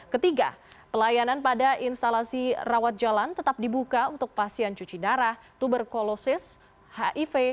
ketiga pelayanan pada instalasi rawat jalan tetap dibuka untuk pasien cuci darah tuberkulosis hiv